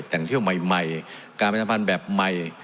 แต่งเที่ยวใหม่การประชาพันธ์แบบใหม่